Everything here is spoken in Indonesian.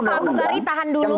pak bukhari tahan dulu